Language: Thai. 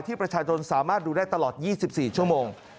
ประชาชนสามารถดูได้ตลอด๒๔ชั่วโมง